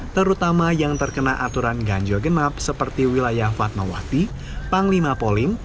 terutama yang terkena aturan ganjil genap seperti wilayah fatmawati panglima polim